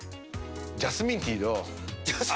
ジャスミンティーよ。